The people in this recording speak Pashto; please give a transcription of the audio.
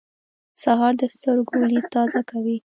سهار د سترګو لید تازه کوي.